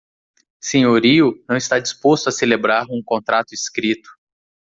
Senhorio não está disposto a celebrar um contrato escrito